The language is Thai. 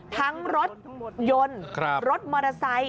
ทั้งรถยนต์รถมอเตอร์ไซค์